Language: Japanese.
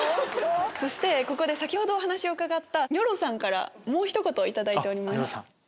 そして先ほどお話を伺ったＮｙｏｒｏさんからもうひと言頂いております。